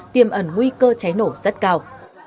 tiêm ẩn nguy cơ cháy nổ rất cao